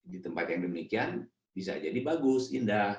di tempat yang demikian bisa jadi bagus indah